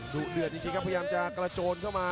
ดุเดือดจริงครับพยายามจะกระโจนเข้ามา